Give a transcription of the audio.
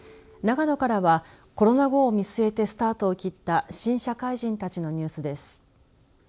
長野からはコロナ後を見すえてスタートを切った新社会人たちのニュースです。